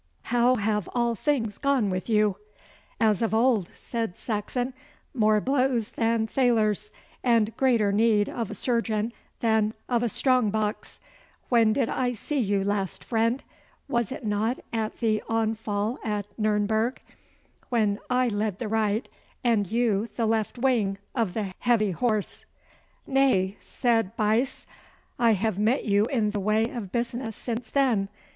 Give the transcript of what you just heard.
How have all things gone with you?' 'As of old,' said Saxon. 'More blows than thalers, and greater need of a surgeon than of a strong box. When did I see you last, friend? Was it not at the onfall at Nurnberg, when I led the right and you the left wing of the heavy horse?' 'Nay,' said Buyse. 'I have met you in the way of business since then.